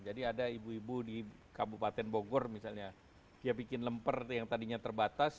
jadi ada ibu ibu di kabupaten bogor misalnya dia bikin lemper yang tadinya terbatas